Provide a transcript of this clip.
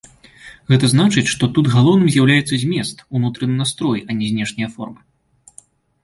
Гэта значыць, што тут галоўным з'яўляецца змест, унутраны настрой, а не знешняя форма.